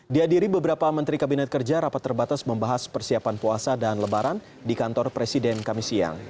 dihadiri beberapa menteri kabinet kerja rapat terbatas membahas persiapan puasa dan lebaran di kantor presiden kami siang